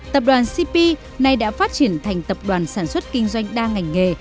tập đoàn cp nay đã phát triển thành tập đoàn sản xuất kinh doanh đa ngành nghề